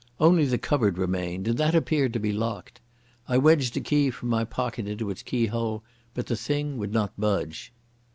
Only the cupboard remained, and that appeared to be locked. I wedged a key from my pocket into its keyhole, but the thing would not budge.